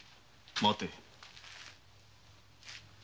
待て。